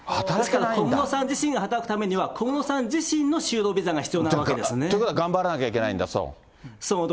小室さん自身が働くためには、小室さん自身の就労ビザが必要なわけですね。ということは頑張らなきゃいけないんだ。